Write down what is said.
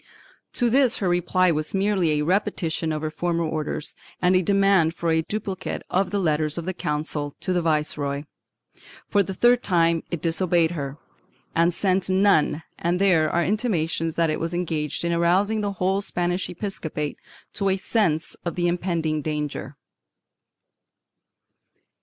To this her reply was merely a repetition of her former orders and a demand for a duplicate of the letters of the Council to the Viceroy. For the third time it disobeyed her and sent none and there are intimations that it was engaged in arousing the whole Spanish episcopate to a sense of the impending danger.